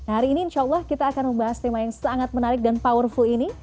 hari ini insya allah kita akan membahas tema yang sangat menarik dan powerful ini